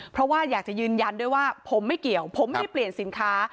เพราะว่าอยากจะยืนยันด้วยว่าผมไม่เกี่ยวผมไม่ได้เปลี่ยนสินค้า